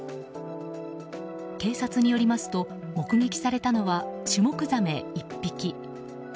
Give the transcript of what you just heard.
警察によりますと目撃されたのはシュモクザメ１匹。